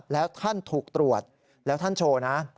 แล้วท่านถูกตรวจแล้วท่านโชว์นะ